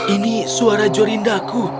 ini suara jorindaku